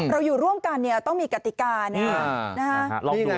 เราอยู่ร่วมกันเนี่ยต้องมีกติการนะ